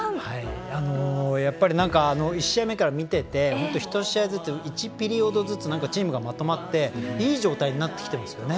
やっぱり１試合目から見てて１試合ずつ、第１ピリオドずつチームがまとまってきていい状態になってきているんですよね。